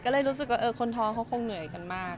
ก็เลยรู้สึกว่าคนท้องเขาคงเหนื่อยกันมาก